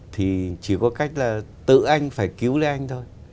thì chỉ có cách là tự anh phải cứu lấy anh thôi